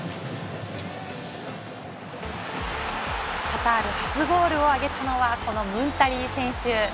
カタール初ゴールを挙げたのはムンタリ選手。